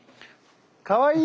かわいい！